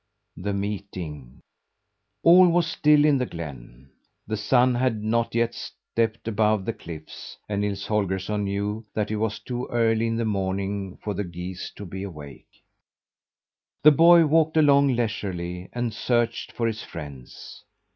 THE MEETING All was still in the glen. The sun had not yet stepped above the cliffs, and Nils Holgersson knew that it was too early in the morning for the geese to be awake. The boy walked along leisurely and searched for his friends.